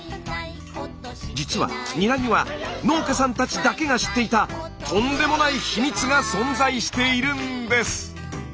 実はニラには農家さんたちだけが知っていたとんでもない秘密が存在しているんです！